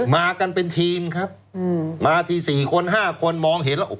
มาที่๔คน๕คนมองเห็นแล้วโอ้โห